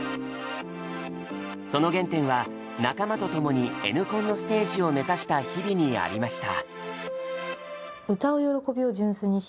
その原点は仲間とともにＮコンのステージを目指した日々にありました。